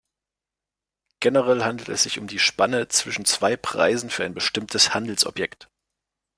Generell handelt es sich um die Spanne zwischen zwei Preisen für ein bestimmtes Handelsobjekt.